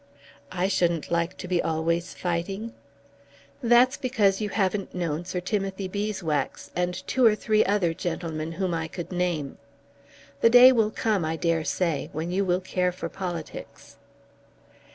"I shouldn't like to be always fighting." "That's because you haven't known Sir Timothy Beeswax and two or three other gentlemen whom I could name. The day will come, I dare say, when you will care for politics."